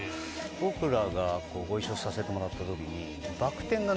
僕らがご一緒させてもらった時に。